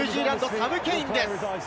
サム・ケインです。